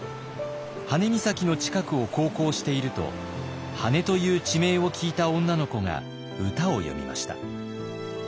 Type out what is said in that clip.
羽根岬の近くを航行していると「羽根」という地名を聞いた女の子が歌を詠みました。